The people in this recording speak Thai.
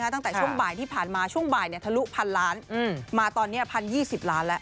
ตั้งแต่ช่วงบ่ายที่ผ่านมาช่วงบ่ายทะลุพันล้านมาตอนนี้๑๐๒๐ล้านแล้ว